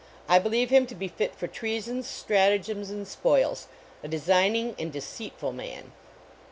I believe him to be fit for treasons, stratagems and spoils; a design ing and deceitful man.